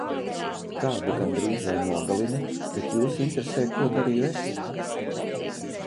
Kādu gandrīz vai nogalina, bet jūs interesē ko darīju es?